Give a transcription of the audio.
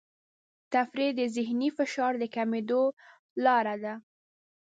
تفریح د ذهني فشار د کمېدو لاره ده.